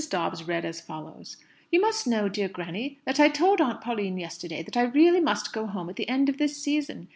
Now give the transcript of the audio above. Dobbs read as follows: "You must know, dear granny, that I told Aunt Pauline yesterday that I really must go home at the end of this season.